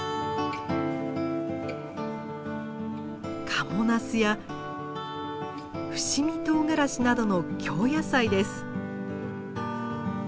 賀茂ナスや伏見とうがらしなどの京野菜です。